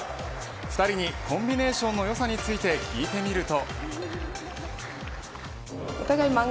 ２人にコンビネーションの良さについて聞いてみると。